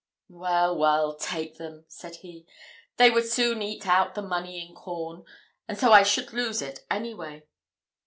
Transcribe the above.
"Well, well, take them," said he. "They would soon eat out the money in corn, and so I should lose it any way."